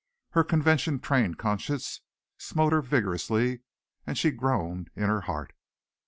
Her convention trained conscience smote her vigorously and she groaned in her heart.